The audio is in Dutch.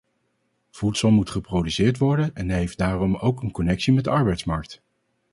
Voedsel moet geproduceerd worden en heeft daarom ook een connectie met de arbeidsmarkt.